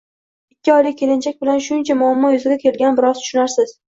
Ikki oylik kelinchak bilan shuncha muammo yuzaga kelgani biroz tushunarsiz